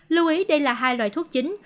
lưu ý đây là hai loại thuốc chính